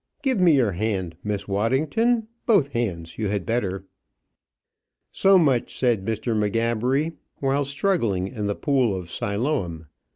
Give me your hand, Miss Waddington; both hands, you had better." So much said Mr. M'Gabbery while struggling in the pool of Siloam.